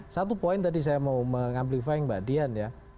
satu poin tadi saya mau mengamplifying mbak dian ya